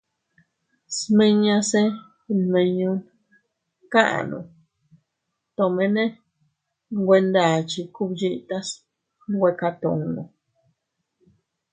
Smiñase nmiñon kaʼanu tomene nwe ndachi kub yitas nwe katunno.